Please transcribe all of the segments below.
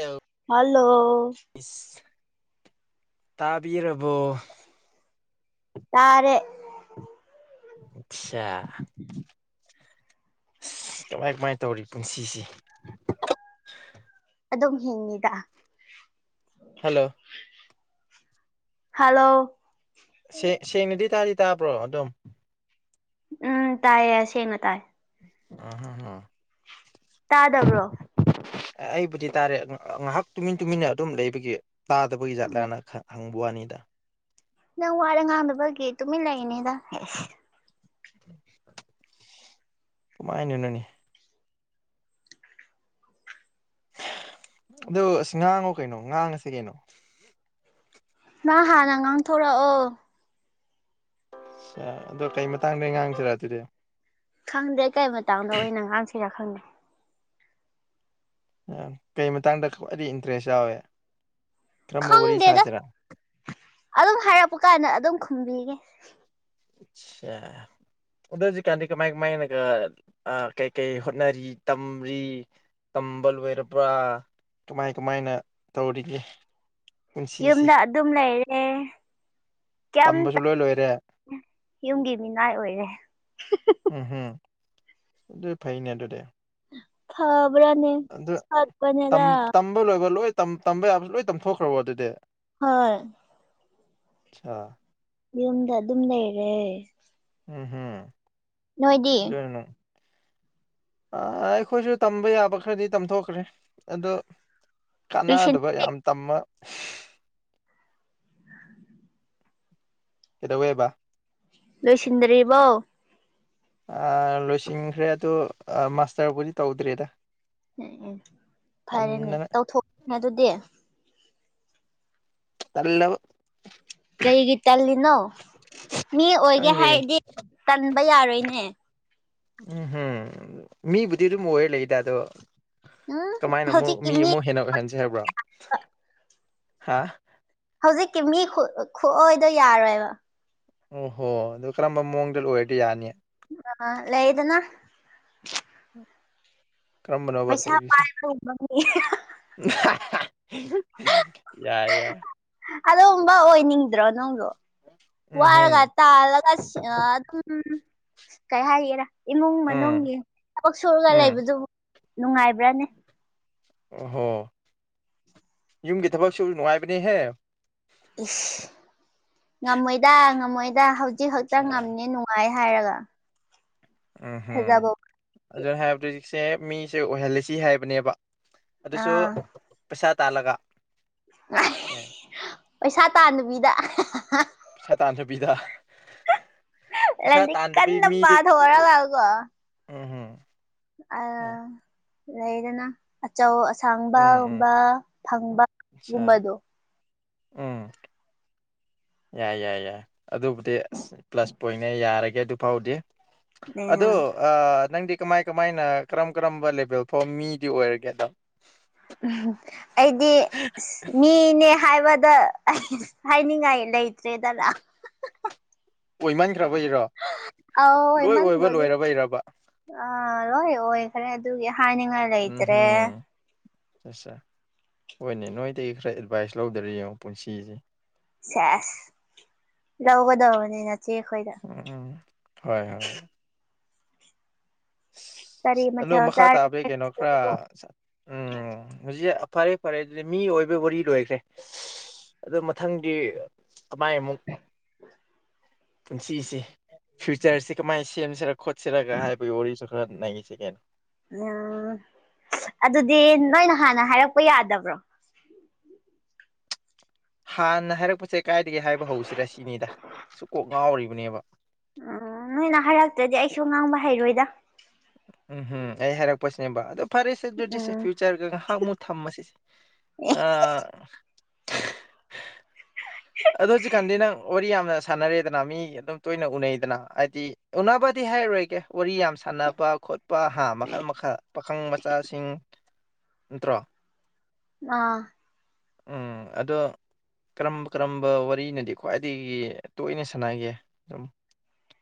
ꯑꯧ ꯍꯜꯂꯣ ꯇꯥꯕꯤꯔꯕꯣ ꯇꯥꯔꯦ ꯑꯠꯆꯥ ꯑꯁ ꯀꯃꯥꯏ ꯀꯃꯥꯏ ꯇꯧꯔꯤ ꯄꯨꯟꯁꯤꯁ ꯑꯗꯨꯝ ꯍꯤꯡꯉꯤꯗ ꯍꯜꯂꯣ ꯍꯜꯂꯣ ꯁꯦꯡꯅꯗꯤ ꯇꯥꯗꯤ ꯇꯥꯕ꯭ꯔꯣ ꯑꯗꯨꯝ ꯎꯝ ꯇꯥꯏꯌꯦ ꯑꯁꯦꯡꯅ ꯇꯥꯏ ꯑ ꯇꯥꯗꯕ꯭ꯔꯣ ꯑꯩꯕꯨꯗꯤ ꯇꯥꯔꯦ ꯉꯥꯏꯍꯥꯛ ꯇꯨꯃꯤꯟ ꯇꯨꯃꯤꯟꯅ ꯑꯗꯨꯝ ꯂꯩꯕꯒꯤ ꯇꯥꯗꯕꯒꯤ ꯖꯠꯂꯥꯅ ꯈ ꯊꯪꯕ ꯑꯅꯤꯗ ꯅꯪ ꯋꯥꯔ ꯉꯥꯡꯗ ꯐꯒꯤꯦ ꯇꯨꯃꯤꯠ ꯂꯩꯏꯅꯦꯗ ꯑꯦꯁ ꯀꯃꯅꯤ ꯑꯣꯅꯤ ꯑ ꯑꯁ ꯉꯥꯡꯉꯨ ꯀꯩꯅꯣ ꯉꯥꯡꯉꯁꯤ ꯀꯩꯅꯣ ꯅ ꯍꯥꯟꯅ ꯉꯥꯡꯊꯣꯔꯛꯑꯣ ꯑ ꯑꯗꯣ ꯀꯩ ꯃꯇꯥꯡꯗ ꯉꯥꯡꯁꯤꯔꯥ ꯑꯗꯨꯗꯤ ꯈꯪꯗꯦ ꯀꯔꯤ ꯃꯇꯥꯡꯗꯣꯩꯅ ꯉꯥꯡꯁꯤꯔꯥ ꯈꯪꯗꯦ ꯀꯩ ꯃꯇꯥꯡꯗ ꯈ꯭ꯋꯥꯏꯗꯒꯤ ꯏꯟꯇꯔꯦꯁ ꯌꯥꯎꯋꯦ ꯀꯔꯝꯕ ꯋꯥꯔꯤ ꯈꯪꯗꯦꯗ ꯁꯥꯁꯤꯔꯥ ꯑꯗꯨꯝ ꯍꯥꯏꯔꯛꯄ ꯀꯥꯟꯗ ꯑꯗꯨꯝ ꯈꯨꯝꯕꯤꯒꯦ ꯑꯆꯥ ꯑꯗꯣ ꯍꯧꯖꯤꯛꯀꯥꯟꯗꯤ ꯀꯃꯥꯏ ꯀꯃꯥꯏꯅꯒ ꯀꯩꯀꯩ ꯍꯣꯠꯅꯔꯤ ꯇꯝꯔꯤ ꯇꯝꯕ ꯂꯣꯏꯔꯕ꯭ꯔꯥ ꯀꯃꯥꯏ ꯀꯃꯥꯏꯅ ꯇꯧꯔꯤꯒꯦ ꯄꯨꯟꯁꯤꯁꯤ ꯌꯨꯝꯗ ꯑꯗꯨꯝ ꯂꯩꯔꯦ ꯀꯌꯥꯝ ꯇꯝꯕꯁꯨ ꯂꯣꯏ ꯂꯣꯏꯔꯦ ꯌꯨꯝꯒꯤ ꯃꯤꯅꯥꯏ ꯑꯣꯏꯔꯦ ꯎꯝ ꯍꯝ ꯑꯗꯨ ꯐꯩꯅꯦ ꯑꯗꯨꯣꯗꯦ ꯐꯕ꯭ꯔꯅꯦ ꯇꯝ ꯁꯠꯄꯅꯦꯔ ꯇꯝꯕ ꯂꯣꯏꯕ ꯂꯣꯏ ꯇꯝꯕ ꯌꯥꯕ ꯂꯣꯏ ꯇꯝꯊꯣꯛꯈ꯭ꯔꯕꯣ ꯑꯗꯨꯗꯤ ꯍꯣꯏ ꯑꯆꯥ ꯌꯨꯝꯗ ꯑꯗꯨꯝ ꯂꯩꯔꯦ ꯎꯝ ꯍꯝ ꯅꯣꯏꯗꯤ ꯑꯗꯨꯅ ꯑꯩꯈꯣꯏꯁꯨ ꯇꯝꯕ ꯌꯥꯕ ꯈꯔꯗꯤ ꯇꯝꯊꯣꯛꯈ꯭ꯔꯦ ꯑꯗꯣ ꯂꯣꯏꯁꯤꯟ ꯀꯥꯟꯅꯗꯕ ꯌꯥꯝ ꯇꯝꯕ ꯀꯩꯗꯧꯋꯦꯕ ꯂꯣꯏꯁꯤꯟꯗ꯭ꯔꯤꯕꯣ ꯂꯣꯏꯁꯤꯟꯈ꯭ꯔꯦ ꯑꯗ ꯃꯥꯁꯇꯔꯕꯨꯗꯤ ꯇꯧꯗ꯭ꯔꯦꯗ ꯎꯝ ꯎꯝ ꯐꯔꯦꯅꯦ ꯇꯟꯗꯅ ꯇꯧꯊꯣꯛꯑ ꯑꯗꯨꯗꯤ ꯇꯂ [unintelligible] ꯀꯔꯤꯒꯤ ꯇꯜꯂꯤꯅꯣ ꯃꯤ ꯑꯁ ꯑꯣꯏꯒꯦ ꯈꯪꯗꯦꯅꯦ ꯍꯥꯏꯔꯗꯤ ꯇꯟꯕ ꯌꯥꯔꯣꯏꯅꯦ ꯎꯝꯝ ꯃꯤꯕꯨꯗꯤ ꯑꯗꯨꯝ ꯑꯣꯏꯔ ꯂꯩꯗ ꯑꯗꯣ ꯎꯝ ꯀꯃꯥꯏꯅ ꯑꯃꯨꯛ ꯍꯧꯖꯤꯛꯀꯤ ꯃꯤ ꯑꯃꯨꯛ ꯍꯦꯟꯅ ꯑꯣꯏꯍꯟꯁꯩ ꯍꯥꯏꯕ꯭ꯔꯣ ꯍꯥ ꯍꯧꯖꯤꯛꯀꯤ ꯃꯤ ꯈꯨꯑꯣꯏꯗꯣ ꯌꯥꯔꯣꯏꯕ ꯑꯣ ꯍꯣ ꯑꯗꯨꯗꯣ ꯀꯔꯝꯕ ꯃꯑꯣꯡꯗ ꯂꯣꯏꯔꯗꯤ ꯌꯥꯅꯤ ꯑ ꯂ ꯏꯗꯅ ꯀꯔꯝꯕꯅꯣꯕ ꯄꯩꯁꯥ ꯂꯩꯔꯤꯁꯦ ꯄꯥꯏ ꯌꯥꯏ ꯌꯥꯏ ꯑꯗꯨꯕ ꯑꯣꯏꯅꯤꯡꯗ꯭ꯔꯣ ꯅꯪꯗꯣ ꯎꯝꯍꯨꯝ ꯋꯥꯔꯒ ꯇꯥꯜꯂꯒ ꯑꯗꯨꯝ ꯀꯩ ꯍꯥꯏꯒꯦꯔꯥ ꯏꯃꯨꯡ ꯎꯝ ꯃꯅꯨꯡꯒꯤ ꯊꯕꯛ ꯁꯨꯔꯒ ꯎꯝ ꯂꯩꯕꯗꯨ ꯅꯨꯡꯉꯥꯏꯕ꯭ꯔꯥꯅꯤ ꯑꯣ ꯍꯣ ꯌꯨꯝꯒꯤ ꯊꯕꯛꯁꯨ ꯅꯨꯡꯉꯥꯏꯕꯅꯦꯍꯦ ꯏꯁ ꯉꯝꯃꯣꯏꯗ ꯉꯝꯃꯣꯏꯗ ꯍꯧꯖꯤꯛ ꯈꯛꯇ ꯑꯠꯁꯥ ꯉꯝꯃꯦꯅꯨꯡ ꯥꯏ ꯍꯥꯏꯔꯒ ꯎꯝꯍꯝ ꯊꯥꯖꯕ ꯋꯥꯠꯂꯤ ꯑꯗꯨꯅ ꯍꯥꯏꯕꯗ ꯍꯧꯖꯤꯛꯁꯦ ꯃꯤꯁꯦ ꯑꯣꯏꯍꯜꯂꯁꯤ ꯍꯥꯏꯕꯅꯦꯕ ꯑꯗꯨꯁꯨ ꯑꯥ ꯄꯩꯁꯥ ꯇꯥꯜꯂꯒ ꯑꯦ [inaudible] ꯄꯩꯁꯥ ꯇꯥꯟꯅꯕꯤꯗ ꯁꯥ ꯇꯥꯟꯅꯕꯤꯗ ꯄꯩꯁꯥ ꯇ ꯂꯥꯏꯔꯤꯛ ꯑꯗ ꯄ ꯀꯟꯅ ꯃꯤꯗꯤ ꯄꯥꯊꯣꯛꯔꯒꯀꯣ ꯎꯝꯝ ꯂꯩꯗꯅ ꯑꯆꯧ ꯑꯁꯥꯡꯕꯒꯨꯝꯕ ꯐꯪꯕ ꯑꯆꯥ ꯒꯨꯝꯕꯗꯣ ꯎꯝ ꯌꯥꯏ ꯌꯥꯏ ꯌꯥꯏ ꯑꯗꯨꯕꯨꯗꯤ ꯑꯁ ꯄ꯭ꯂꯁ ꯄꯣꯏꯅꯦ ꯌꯥꯔꯒꯦ ꯑꯗꯨꯐꯥꯎꯗꯤ ꯑꯗꯣ ꯑ ꯅꯪꯗꯤ ꯀꯃꯥꯏ ꯀꯃꯥꯏꯅ ꯀꯔꯝ ꯀꯔꯝꯕ ꯂꯦꯚꯦꯜ ꯐꯥꯎ ꯃꯤꯗꯤ ꯑꯣꯏꯔꯒꯦꯗꯣ ꯑꯩꯗꯤ ꯑꯁ ꯃꯤꯅꯦ ꯍꯥꯏꯕꯗ ꯑꯩ ꯍꯥꯏꯅꯤꯡꯉꯥꯏ ꯂꯩꯇ꯭ꯔꯦꯗꯅ ꯑꯣꯏꯃꯟꯈ꯭ꯔꯕ ꯏꯔꯣ ꯑꯥꯎ ꯍꯦꯃꯟꯕꯣꯜꯂꯤ ꯑꯥ ꯂꯣꯏ ꯑꯣꯏꯈꯔꯦ ꯑꯗꯨꯒꯤ ꯍꯥꯏꯅꯤꯡꯉꯥꯏ ꯂꯩꯇ꯭ꯔꯦ ꯑꯠ ꯍꯣꯏꯅꯦ ꯅꯣꯏꯗꯒꯤ ꯈꯔ ꯑꯦꯗꯚꯥꯏꯁ ꯂꯧꯗꯔꯤ ꯌꯦꯡꯉꯣ ꯄꯨꯟꯁꯤꯁꯦ ꯁꯦꯁ ꯂꯧꯒꯗꯧꯕꯅꯤꯅꯆꯦ ꯑꯩꯈꯣꯏꯗ ꯎꯝ ꯍꯣꯏ ꯍꯣꯏ ꯀꯔꯤ ꯑꯗꯣ ꯃꯊꯦꯜ ꯃꯈꯥ ꯇꯥꯕꯒꯤ ꯆꯥꯔꯒꯦ ꯀꯩꯅꯣ ꯈꯔ ꯎꯝ ꯍꯧꯖꯤꯛ ꯐꯔꯦ ꯐꯔꯦ ꯑꯗꯨꯗꯤ ꯃꯤ ꯑꯣꯏꯕ ꯋꯥꯔꯤ ꯂꯣꯏꯈ꯭ꯔꯦ ꯑꯗꯨ ꯃꯊꯪꯗꯤ ꯀꯃꯥꯏ ꯑꯃꯨꯛ ꯄꯨꯟꯁꯤꯁꯤꯦ ꯐ꯭ꯌꯨꯆꯔꯁꯤ ꯀꯃꯥꯏ ꯁꯦꯝꯁꯤꯔꯒ ꯈꯣꯠꯁꯤꯔꯒ ꯍꯥꯏꯕꯒꯤ ꯋꯥꯔꯤꯁꯨ ꯈꯔ ꯅꯩꯅꯉꯁꯤꯦ ꯀꯩꯅꯣ ꯎꯝ ꯑꯗꯨꯗꯤ ꯅꯣꯏꯅ ꯍꯥꯟꯅ ꯍꯥꯏꯔꯛꯄ ꯌꯥꯗꯕ꯭ꯔꯣ ꯍꯥꯟꯅ ꯍꯥꯏꯔꯛꯄꯁꯦ ꯀꯥꯏꯗꯒꯤ ꯍꯥꯏꯕ ꯍꯧꯁꯤ ꯔ ꯁꯤꯅꯤꯗ ꯁꯨ ꯀꯣꯛ ꯉꯥꯎꯔꯤꯕꯅꯦꯕ ꯎꯝ ꯅꯣꯏꯅ ꯍꯥꯏꯔꯛꯇ꯭ꯔꯗꯤ ꯑꯩꯁꯨ ꯉꯥꯡꯕ ꯍꯩꯔꯣꯏꯗ ꯎꯝꯝ ꯑꯩ ꯍꯥꯏꯔꯛꯄꯁꯤꯅꯦꯕ ꯑꯣ ꯐꯔꯦꯁꯦ ꯑꯗꯨꯗꯤ ꯎꯝ ꯐꯌꯨꯆꯔ ꯑꯗꯨꯒ ꯉꯥꯏꯍꯥꯛ ꯃꯨ ꯊꯝꯕꯁꯤꯁꯦ ꯑꯗ ꯀꯤꯅ ꯑꯣꯔꯤ ꯁꯥꯟꯅꯔꯦꯗꯅ ꯃꯤ ꯑꯗꯨꯝ ꯇꯣꯏꯅ ꯎꯅꯩꯗꯅ ꯍꯥꯏꯗꯤ ꯎꯅꯕꯗꯤ ꯍꯥꯏꯔꯔꯣꯏꯒꯦ ꯋꯥꯔꯤ ꯌꯥꯝ ꯁꯥꯟꯅꯕ ꯈꯣꯠꯄ ꯄꯥ ꯍꯥꯥ ꯃꯈꯜ ꯃꯈꯜ ꯄꯥꯈꯪ ꯃꯆꯥꯁꯤꯡ ꯅꯠꯇ꯭ꯔꯣ ꯑ ꯎꯝ ꯑꯗꯣ ꯀꯔꯝꯕ ꯀꯔꯝꯕ ꯋꯥꯔꯤꯅꯗꯤ ꯈ꯭ꯋꯥꯏꯗꯒꯤ ꯇꯣꯏꯅ ꯁꯥꯟꯅꯒꯦ ꯑꯗꯨꯝ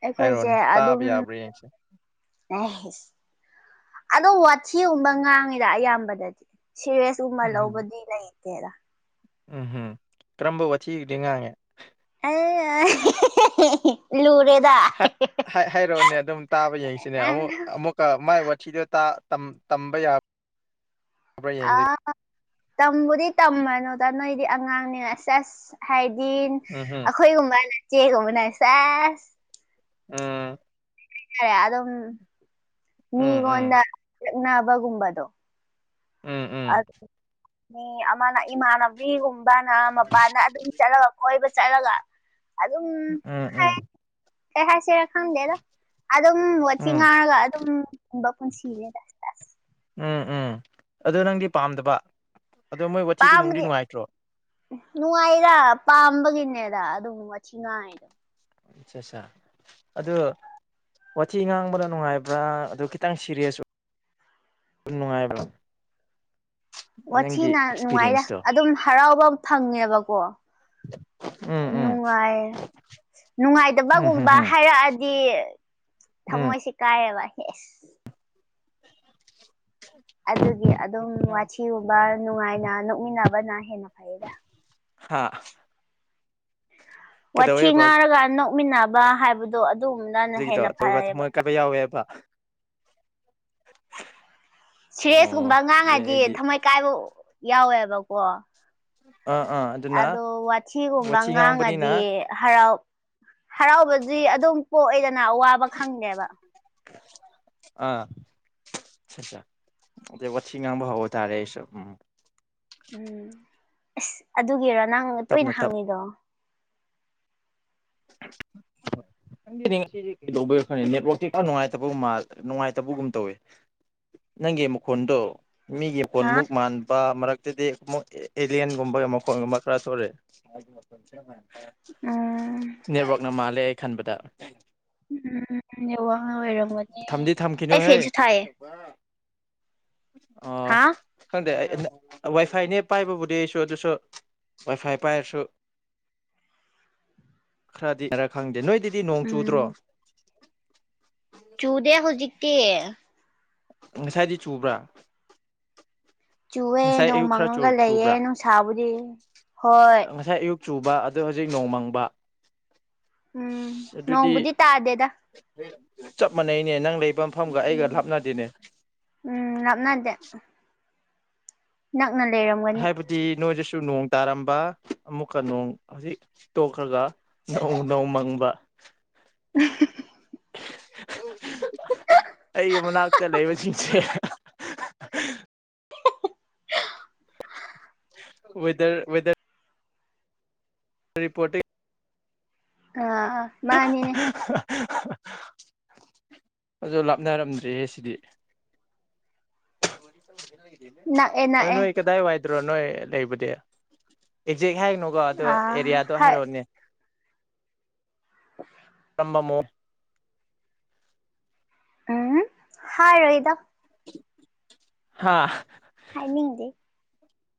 ꯑꯩꯈꯣꯏꯁꯦ ꯍꯥꯏꯔꯣꯅꯦ ꯇꯥꯕ ꯌꯥꯕ꯭ꯔꯥ ꯌꯦꯡꯁꯦ ꯔꯍꯤꯁ ꯑꯗꯣ ꯋꯥꯊꯤꯒꯨꯝꯕ ꯉꯥꯡꯉꯤꯗ ꯑꯌꯥꯝꯕꯗꯗꯤ ꯁꯦꯔꯦꯁꯀꯨꯝꯕ ꯂꯧꯕꯗꯤ ꯂꯩꯇꯦꯗ ꯎꯝꯍꯝ ꯀꯔꯝꯕ ꯋꯥꯊꯤꯒꯗꯤ ꯉꯥꯡꯉꯦ ꯑ ꯍꯥꯏꯔꯛꯑꯣꯅꯦ ꯑꯗꯨꯝ ꯇꯥꯕ ꯌꯦꯡꯁꯤꯅꯦ ꯑꯃꯨꯛ ꯑꯃꯨꯛ ꯃꯥꯏ ꯋꯥꯊꯤꯗ ꯇꯝꯕ ꯌꯥꯕ ꯑꯥ ꯇꯝꯕꯨꯗꯤ ꯇꯝꯃꯅꯨꯗ ꯅꯣꯏꯗꯤ ꯑꯉꯥꯡꯅꯤ ꯑꯁ ꯑꯁ ꯍꯥꯏꯗꯤ ꯎꯝꯝ ꯑꯩꯈꯣꯏꯒꯨꯝꯕꯅꯆꯦꯒꯨꯝꯕꯅ ꯁꯥꯁ ꯎ ꯇꯥꯔꯦ ꯑꯗꯨꯝ ꯎꯝ ꯎꯝ ꯃꯤꯒꯣꯟꯟ ꯂꯕꯒꯨꯝꯕꯗꯣ ꯎꯝ ꯎꯝ ꯃꯤ ꯑꯃꯅ ꯏꯃꯥꯟꯅꯕꯤꯒꯨꯝꯕꯅ ꯃꯄꯥꯅ ꯑꯗꯨꯝ ꯆꯠꯂꯒ ꯀꯣꯏꯕ ꯆꯠꯂꯒ ꯑꯗꯨꯝ ꯎꯝ ꯍꯥꯏ ꯎꯝ ꯀꯩ ꯍꯥꯏꯁꯤꯔ ꯈꯪꯗꯦꯗ ꯑꯗꯨꯝ ꯋꯥꯤ ꯎꯝ ꯎꯝ ꯉꯥꯡꯔꯒ ꯑꯗꯨꯝ ꯄꯨꯕ ꯄꯨꯟꯁꯤꯔꯦꯗ ꯎꯝ ꯎꯝ ꯑ ꯅꯪꯗꯤ ꯄꯥꯝꯗꯕ ꯑꯗꯣ ꯃꯣꯏ ꯋꯥꯊꯤꯗꯨ ꯅꯨꯡꯗꯤ ꯅꯨꯡꯉꯥꯏꯇ꯭ꯔꯣ ꯎ ꯅꯨꯡꯉꯥꯏꯔ ꯄꯥꯝꯕꯒꯤꯅꯦꯗ ꯑꯗꯨꯝꯅꯨꯡ ꯉꯤ ꯉꯥꯏꯗꯣ ꯑꯆꯥ ꯑꯆꯥ ꯑꯗꯨꯗ ꯋꯥꯊꯤ ꯉꯥꯡꯕꯅ ꯅꯨꯡꯉꯥꯏꯕ꯭ꯔꯥ ꯑꯗꯨ ꯈꯤꯇꯪ ꯁꯤꯔꯤꯌꯁ ꯅꯨꯡꯉꯥꯏꯕ꯭ꯔ ꯋꯥꯊꯤꯅ ꯅꯨꯡꯉꯥꯏꯔꯦ ꯑꯗꯨꯝ ꯍꯔꯥꯎꯕ ꯑꯃ ꯐꯪꯉꯦꯕꯀꯣ ꯎꯝ ꯎꯝ ꯅꯨꯡꯉꯥꯏ ꯎꯝ ꯎꯝ ꯅꯨꯡꯉꯥꯏꯗꯕꯒꯨꯝꯕ ꯎꯝ ꯍꯥꯏꯔꯛꯑꯗꯤ ꯎꯝ ꯊꯃꯣꯏꯁꯤ ꯀꯥꯏꯦꯕ ꯌꯦꯁ ꯑꯗꯨꯒꯤ ꯑꯗꯨꯝ ꯋꯥꯊꯤ ꯋꯥꯊꯤꯒꯨꯝꯕ ꯉꯥꯡꯕ ꯅꯨꯡꯉꯥꯏꯅ ꯅꯣꯛꯃꯤꯟꯅꯕꯅ ꯍꯦꯟꯅ ꯐꯩꯗ ꯍꯥ ꯋꯥꯊꯤ ꯀꯩꯗꯧꯋꯦꯕ ꯉꯥꯔꯒ ꯅꯣꯛꯃꯤꯟꯅꯕ ꯍꯥꯏꯕꯗꯣ ꯑꯗꯨꯝ ꯍꯧꯖꯤꯛꯀꯤꯗꯣ ꯑꯇꯣꯏꯕ ꯊꯃꯣꯏ ꯀꯥꯏꯕ ꯌꯥꯎꯋꯦꯕ ꯁꯤꯔꯦꯁꯀꯨꯝꯕ ꯑꯣ ꯑꯉꯥꯡ ꯑꯗꯨꯗꯤ ꯍꯥꯏꯗꯤ ꯑꯩꯗꯤ ꯊꯝꯃꯣꯏ ꯀꯥꯏꯕ ꯌꯥꯎꯋꯦꯕꯀꯣ ꯑꯥ ꯑꯥ ꯑꯗꯨꯅ ꯑꯗꯣ ꯋꯥꯊꯤꯒꯨꯝꯕ ꯋꯥꯊꯤ ꯉꯥꯡꯕꯅꯤꯅ ꯉꯥꯡꯉꯗꯤ ꯍꯔꯥꯎ ꯍꯔꯥꯎꯕꯗꯤ ꯑꯗꯨꯝ ꯄꯣꯛꯑꯦꯗꯅ ꯑꯋꯥꯕ ꯈꯪꯗꯦꯕ ꯑꯥ ꯑ ꯋꯥꯤ ꯉꯥꯡꯕ ꯍꯕ ꯇꯥꯔꯦ ꯎꯝ ꯎꯝ ꯑꯁ ꯑꯗꯨꯒꯤꯔ ꯅꯪ ꯇꯞꯅ ꯇꯣꯏꯅ ꯇꯞ ꯍꯥꯡꯉꯤꯗꯣ [inaudible] ꯈꯪꯗꯦꯅꯦ ꯉꯁꯤꯗꯤ ꯀꯩꯗꯧꯕ ꯈꯪꯦ ꯅꯦꯠꯋꯥꯛꯁꯦ ꯅꯨꯡꯉꯥꯏꯇꯕꯒꯨꯝ ꯅꯨꯡꯉꯥꯏꯇꯕꯒꯨꯝ ꯇꯧꯋꯦ ꯅꯪꯒꯤ ꯃꯈꯣꯟꯗꯣ ꯃꯤꯒꯤ ꯃꯈꯣꯟ ꯍꯥ ꯑꯃꯨꯛ ꯃꯥꯟꯕ ꯃꯔꯛꯇꯗꯤ ꯑꯦꯂꯤꯂꯤꯌꯥꯟꯒꯨꯝꯕ ꯃꯈꯣꯟꯒꯨꯝꯕ ꯈꯔ ꯊꯣꯛꯑꯛꯦ [unintelligible] ꯎꯝ ꯅꯦꯠꯋꯥꯛꯅ ꯃꯥꯜꯂꯦ ꯑꯩ ꯈꯟꯕꯗ ꯎꯝ ꯌꯦ ꯋꯥꯉ ꯑꯣꯏꯔꯝ ꯊꯝꯗꯤ ꯊꯝꯈꯤꯅꯨꯍꯦ ꯑꯣ ꯍꯥ ꯈꯪꯗꯦ ꯋꯥꯏꯐꯥꯏꯅꯦ ꯄꯥꯏꯕꯕꯨꯗꯤ ꯑꯩꯁꯨ ꯑꯗꯨꯁꯨ ꯋꯥꯏ ꯐꯥꯏ ꯄꯥꯏꯔꯁꯨ ꯈꯔꯗꯤ ꯈꯔ ꯈꯪꯗꯦ ꯅꯣꯏꯗꯤ ꯗꯤ ꯅꯣꯡ ꯆꯨꯗ꯭ꯔꯣ ꯎꯝ ꯆꯨꯗꯦ ꯍꯧꯖꯤꯛꯇꯤ ꯉꯁꯥꯏꯗꯤ ꯆꯨꯕ꯭ꯔꯥ ꯆꯨꯑꯦ ꯉꯁꯥꯏ ꯅꯣꯡ ꯑꯌꯨꯛ ꯈꯔ ꯃꯪꯉꯒ ꯆꯨꯕ꯭ꯔꯥ ꯂꯩꯌꯦꯦ ꯅꯨꯡ ꯁꯥꯕꯨꯗꯤ ꯉꯁꯥꯏ ꯑꯌꯨꯛ ꯆꯨꯕ ꯑ ꯍꯧꯖꯤꯛ ꯅꯣꯡꯃꯪꯕ ꯎꯝ ꯁ ꯑꯗꯨꯗꯤ ꯅꯣꯡꯕꯨꯗꯤ ꯇꯥꯗꯦꯗ ꯆꯞ ꯃꯥꯟꯅꯩꯅꯦ ꯅꯪ ꯂꯩꯕ ꯃꯐꯝꯒ ꯑꯩꯒ ꯎꯝ ꯂꯥꯞꯅꯗꯦꯅꯦ ꯎꯝ ꯂꯥꯞꯅꯗꯦ ꯅꯛꯅ ꯂꯩꯔꯝꯒꯅꯤ ꯍꯥꯏꯗꯤ ꯅꯣꯏꯗꯁꯨ ꯅꯣꯡ ꯇꯥꯔꯝꯕ ꯑꯃꯨꯛꯀ ꯅꯣꯡ ꯍꯧꯖꯤꯛ ꯇꯣꯛꯈ꯭ꯔꯒ ꯅꯣꯡ ꯅꯣꯡ ꯃꯪꯕ [inaudible] ꯑꯩꯒꯤ ꯃꯅꯥꯛꯇ ꯂꯩꯕꯁꯤꯡꯁꯦ ꯋꯦꯗꯔ ꯋꯦꯗꯔ ꯔꯤꯄꯣꯔꯇꯤꯡ ꯑ ꯑ ꯃꯥꯅꯤꯅꯦ ꯑ ꯂꯥꯞꯅꯔꯝꯗ꯭ꯔꯦꯍ ꯁꯤꯗꯤ ꯅꯛꯑꯦ [inaudible] ꯑ ꯅꯣꯏ ꯅꯛꯑꯦ ꯀꯗꯥꯏ ꯋꯥꯏꯗ꯭ꯔꯣ ꯅꯣꯏ ꯂꯩꯕꯨꯗꯤ ꯑꯦꯛꯖꯦꯛ ꯍꯥꯏꯅꯣ ꯕ ꯑꯗꯨ ꯑꯥ ꯑꯦꯔꯤꯌꯥꯗꯣ ꯍꯥꯏ ꯍꯥꯏꯔꯛꯑꯣꯅꯦ [inaudible] ꯔꯝꯕ ꯃꯑꯣꯡ ꯎꯝ ꯍꯥꯏꯔꯣꯏꯗ ꯍꯥꯥ ꯍꯥꯏꯅꯤꯡꯗꯦ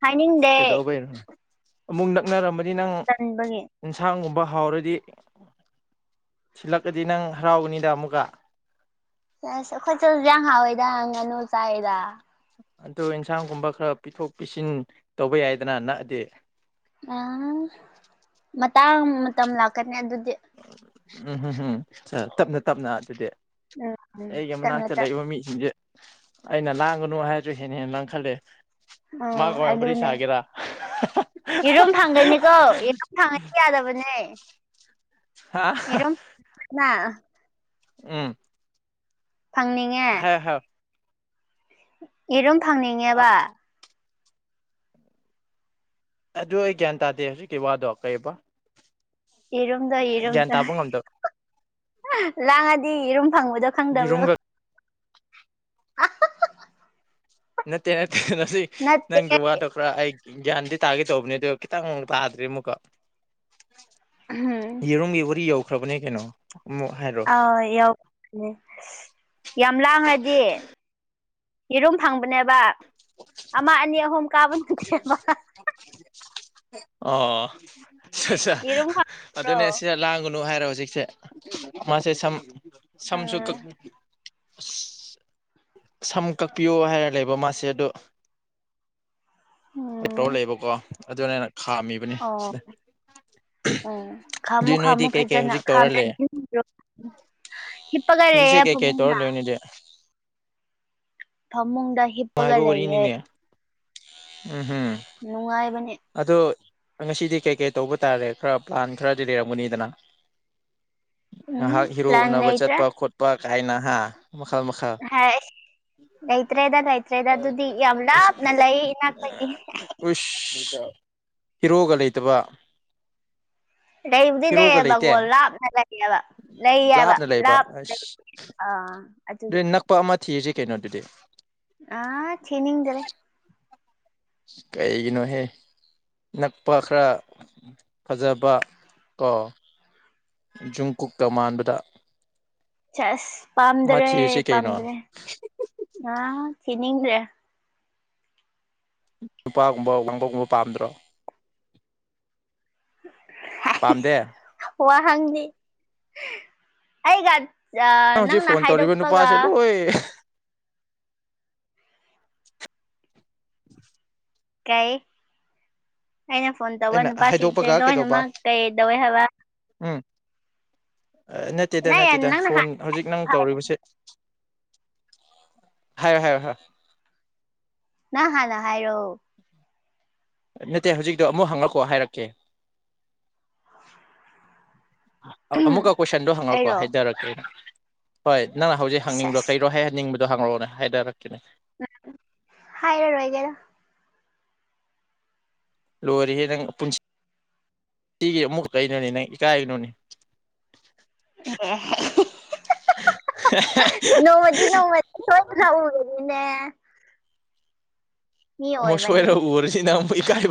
ꯍꯥꯏꯅꯤꯡꯗꯦ ꯀꯩꯗꯧꯕꯩꯩꯅꯣ ꯑꯃꯨꯛ ꯅꯛꯅꯔꯝꯃꯅꯤ ꯅꯪ ꯇꯟꯕꯒꯤ ꯏꯟꯁꯥꯡꯒꯨꯝꯕ ꯍꯥꯎꯔꯗꯤ ꯊꯜꯂꯛꯀꯗꯤ ꯅꯪ ꯍꯔꯥꯎꯒꯅꯤꯗ ꯑꯃꯨꯛꯀ ꯑꯁ ꯑꯩꯈꯣꯏ ꯆꯁ ꯌꯥꯝ ꯍꯥꯎꯦꯗ ꯉꯥꯅꯨ ꯆꯥꯏꯗ ꯑꯗꯨꯣ ꯏꯟꯁꯥꯡꯒꯨꯝꯕ ꯈꯔ ꯄꯤꯊꯣꯛ ꯄꯤꯁꯤꯟ ꯇꯧꯕ ꯌꯥꯏꯗꯅ ꯅꯛꯑꯗꯤ ꯑ ꯃꯇꯥꯡ ꯃꯇꯝ ꯂꯥꯛꯀꯅꯤ ꯑꯗꯨꯗꯤ ꯎꯝ ꯎꯝ ꯎꯝ ꯇꯞꯅ ꯇꯞꯅ ꯑꯗꯨꯗꯤ ꯎꯝ ꯎꯝ ꯑꯩ ꯇꯞꯅ ꯃꯅꯥꯛꯇ ꯇꯞ ꯂꯩꯕ ꯃꯤꯁꯤꯡꯖꯦ ꯑꯩꯅ ꯂꯥꯡꯒꯅꯨ ꯍꯥꯏꯔꯁꯨ ꯍꯦꯟꯅ ꯍꯦꯟꯅ ꯂꯪ ꯈꯜꯂꯦ ꯃꯥꯒ ꯎꯝ ꯃ ꯐꯔꯤ ꯑꯗꯨꯅꯦ ꯁꯥꯒꯦꯔꯥ ꯌꯦꯔꯨꯝ ꯐꯪꯒꯅꯤꯀꯣ ꯌꯦꯔꯨꯝ ꯐꯪꯉꯗꯤ ꯌꯥꯗꯕꯅꯦ ꯍꯥ ꯌꯦꯔꯨꯝ ꯀꯅꯥ ꯑꯝ ꯐꯪꯅꯤꯡꯉꯦ ꯍꯥ ꯍ [inaudible] ꯌꯦꯔꯨ ꯐꯪꯅꯤꯡꯉꯦꯕ ꯑꯗꯨ ꯑꯩ ꯒ꯭ꯌꯥꯟ ꯇꯥꯗꯦ ꯍꯧꯖꯤꯛꯀꯤ ꯋꯥꯗꯣ ꯀꯩꯑꯕ ꯌꯦꯔꯨꯝꯗꯣ ꯌꯦꯔꯨꯝꯗꯣ ꯇꯥꯕ ꯉꯝꯗꯕ ꯂꯥꯡꯉꯥꯗꯤ ꯌꯦꯔꯨꯝ ꯐꯪꯕꯗꯣ ꯈꯪꯗꯕ꯭ꯔꯣ ꯌꯦꯔꯨꯝꯒ ꯅꯠꯇꯦ ꯅꯠꯇꯦ ꯉꯁꯤ ꯅꯠꯇꯦ ꯅꯪꯒꯤ ꯋꯥꯗꯣ ꯄꯨꯔꯥ ꯑꯩ ꯒ꯭ꯌꯥꯟꯗꯤ ꯇꯥꯒꯦ ꯇꯧꯕꯅꯦ ꯑꯗꯨ ꯈꯤꯇꯪ ꯇꯥꯗ꯭ꯔꯤ ꯑꯃꯨꯛꯀ ꯎꯝꯍꯝ ꯌꯦꯔꯨꯝꯒꯤ ꯋꯥꯔꯤ ꯌꯧꯈ꯭ꯔꯕꯅꯦ ꯀꯩꯅꯣ ꯑꯂꯨꯛ ꯍꯥꯏꯔꯣ ꯑ ꯌꯧ ꯑꯝ ꯌꯥꯝ ꯂꯥꯡꯉꯗꯤ ꯌꯦꯔꯨꯝ ꯐꯪꯕꯅꯦꯕ ꯑꯥ ꯑꯅꯤ ꯑꯍꯨꯝ ꯀꯥꯕ ꯅꯠꯇꯦꯕ ꯑꯣ ꯌꯦꯔꯨꯝ ꯐꯪꯕ꯭ꯔꯣ ꯑꯗꯨꯅꯦ ꯁꯤꯗ ꯂꯥꯡꯒꯨꯅꯨ ꯍꯥꯏꯔꯦ ꯍꯧꯖꯤꯛꯁꯦ ꯃꯥꯁꯦ ꯁꯝ ꯁꯝꯁꯨ ꯎꯝ ꯀꯥꯛ ꯁꯝ ꯀꯛꯄꯤꯌꯣ ꯍꯥꯏꯔ ꯂꯩꯕ ꯃꯥꯁꯦ ꯑꯗꯣ ꯎꯝ ꯇꯧ ꯂꯩꯕꯀꯣ ꯑꯗꯨ ꯑꯩꯅ ꯈꯥꯝꯃꯤꯕꯅꯤ ꯑꯣ ꯁꯦ ꯎꯝ ꯈꯥꯝꯃꯨ ꯈꯥꯝꯃꯨ ꯐꯖꯅ ꯍꯧꯖꯤꯛ ꯇꯧꯔ ꯂꯩ ꯈꯥꯝꯗ꯭ꯔꯗꯤ ꯍꯤꯞꯄ ꯒꯥ ꯍꯧꯖꯤꯛꯁꯦ ꯂꯩꯌꯦ ꯀꯩꯀꯩ ꯇꯧꯔ ꯐꯃꯨꯡꯗ ꯂꯩꯕꯅꯤꯗꯤ ꯐꯃꯨꯡꯗ ꯍꯤꯞꯄꯒ ꯅꯨꯡꯉꯥꯏꯕ ꯂꯩꯌꯦ ꯋꯥꯔꯤꯅꯤꯅꯦ ꯎꯝ ꯍꯨꯝ ꯅꯨꯡꯉꯥꯏꯕꯅꯦ ꯑꯗꯣ ꯉꯁꯤꯗꯤ ꯀꯩ ꯀꯩ ꯇꯧꯕ ꯇꯥꯔꯦ ꯈꯔ ꯄ꯭ꯂꯥꯟ ꯈꯔꯗꯤ ꯂꯩꯔꯝꯒꯅꯤꯗꯅ ꯎꯝ ꯉꯥꯏꯍꯥꯛ ꯍꯤꯔꯣ ꯄ꯭ꯂꯥꯟ ꯎꯅꯕ ꯂꯩꯇ꯭ꯔꯦ ꯆꯠꯄ ꯈꯣꯠꯄ ꯀꯥꯏꯅ ꯍꯥ ꯃꯈꯜ ꯃꯈꯜ ꯍꯥꯏ ꯂꯩꯇ꯭ꯔꯦꯗ ꯂꯩꯇ꯭ꯔꯦꯗ ꯑꯗꯨꯗꯤ ꯌꯥꯝ ꯂꯥꯞꯅ ꯂꯩ ꯏꯅꯥꯛꯇꯒꯤ ꯑꯁ ꯍꯤꯔꯣꯒ ꯂꯩꯇꯕ ꯂꯩꯕꯨꯗꯤ ꯍꯤꯔꯣꯒ ꯂꯩꯇꯦ ꯂꯩꯌꯦꯕꯒꯣ ꯂꯥꯞꯅ ꯂꯩꯌꯦꯕ ꯂꯩꯌꯦꯕ ꯂꯥꯞꯅ ꯂꯥꯞꯅ ꯂꯩ ꯑꯥ ꯑꯗꯨꯒꯤ ꯑꯗꯨꯗꯤ ꯅꯛꯄ ꯑꯃ ꯊꯤꯔꯁꯤ ꯀꯩꯅꯣꯗꯨꯗꯤ ꯑ ꯊꯤꯅꯤꯡꯗ꯭ꯔꯦ ꯀꯩꯒꯤꯅꯣꯍꯦ ꯅꯛꯄ ꯈꯔ ꯐꯖꯕ ꯀꯣ ꯖꯨꯝ ꯀꯨꯀ ꯃꯥꯟꯕꯗꯣ ꯑꯁ ꯄꯥꯝꯗ꯭ꯔꯦ ꯊꯤꯔꯁꯤ ꯀꯩꯅꯣ ꯄꯥꯝꯗ꯭ꯔꯦ ꯑꯥ ꯊꯤꯅꯤꯡꯗ꯭ꯔꯦ ꯅꯨꯄꯥꯒꯨꯝꯕ ꯋꯥꯡꯕꯒꯨꯝꯕ ꯄꯥꯝꯗ꯭ꯔꯣ ꯄꯥꯝꯗꯦ ꯋꯥꯍꯪꯗꯤ ꯑꯩꯒ ꯅꯪꯅ ꯍꯥꯏꯗꯣꯛꯄꯒ ꯈꯣꯏ [unintelligible] ꯀꯩ ꯑꯩꯅ ꯐꯣꯟ ꯇꯧꯕ ꯑꯩꯅ ꯅꯨꯄꯥꯁꯤꯡꯁꯦ ꯍꯥꯏꯗꯣꯛꯄꯒ ꯀꯩꯗꯧꯕ ꯂꯣꯏꯅꯃꯛ ꯀꯩꯗꯧꯋꯦ ꯍꯥꯏꯕ ꯎꯝ ꯅꯠꯇꯦꯗ ꯅꯪ ꯅꯠꯇꯦꯗ ꯅꯪꯅ ꯐꯣꯟ ꯍꯥꯟꯅ ꯍꯧꯖꯤꯛ ꯅꯪ ꯍꯥꯏ ꯇꯧꯔꯤꯕꯁꯦ ꯍꯥꯢꯔꯣ ꯍꯥꯏꯔꯣ ꯅꯪ ꯍꯥꯟꯅ ꯍꯥꯏꯔꯣ ꯅꯠꯇꯦ ꯍꯧꯖꯤꯛꯇꯣ ꯑꯃꯨꯛ ꯍꯪꯉꯛꯈꯣ ꯍꯥꯏꯔꯛꯀꯦ [unintelligible] ꯑꯃꯨꯛꯀ ꯀꯣꯏꯁꯟꯗꯣ ꯍꯪꯉꯛꯀꯣ ꯑꯩꯔꯣ ꯍꯥꯏꯊꯔꯛꯀꯦ ꯍꯣꯏ ꯅꯪꯅ ꯍꯧꯖꯤꯛ ꯍꯪꯅꯤꯡꯕꯣ ꯁꯦꯁ ꯀꯩꯔꯣ ꯍꯥꯏꯍꯟꯅꯤꯡꯕꯗꯣ ꯍꯪꯉꯛꯑꯣꯅꯦ ꯍꯥꯏꯗꯔꯛꯀꯦꯅꯦ ꯍꯥꯏꯔꯔꯣꯏꯗ ꯂꯣꯏꯔꯦꯍꯦ ꯅꯪ ꯄꯨꯟꯁꯤ ꯁꯤꯒꯤ ꯑꯃꯨꯛ ꯀꯩꯅꯣꯅꯦ ꯅꯪ ꯏꯀꯥꯏꯅꯨꯅꯦ ꯅꯧꯃꯗꯤ ꯅꯧꯃ ꯍꯒꯦꯅꯤꯅꯦ ꯑꯃꯛ ꯑꯣꯏꯕꯅꯤꯅ ꯁꯣꯏꯔ ꯑꯣꯏꯔꯁꯤꯅꯕꯨ ꯀꯥꯏ